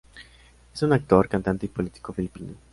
Es un actor, cantante y político filipino.